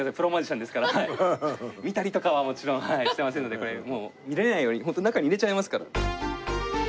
見たりとかはもちろんしてませんのでこれもう見られないように中に入れちゃいますから。